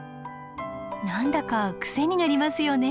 何だかクセになりますよね？